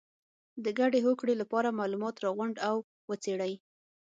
د ګډې هوکړې لپاره معلومات راغونډ او وڅېړئ.